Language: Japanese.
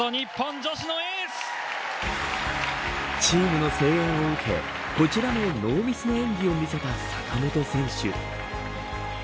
チームの声援を受けこちらもノーミスの演技を見せた坂本選手。